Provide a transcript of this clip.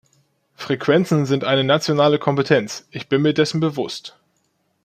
Frequenzen sind eine nationale Kompetenz. Ich bin mir dessen bewusst.